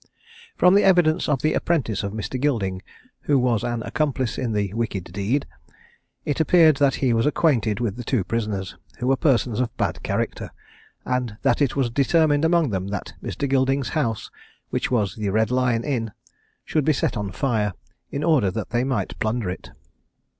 From the evidence of the apprentice of Mr. Gilding, who was an accomplice in the wicked deed, it appeared that he was acquainted with the two prisoners, who were persons of bad character; and that it was determined among them that Mr. Gilding's house, which was the Red Lion Inn, should be set on fire, in order that they might plunder it.